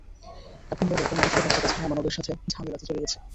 এখন বলো কোন দুষ্ট বাচ্চাটা ছায়া মানবের সাথে ঝামেলাতে জড়িয়েছ?